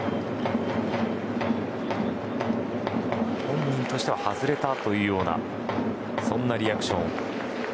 本人としては外れたというようなリアクション。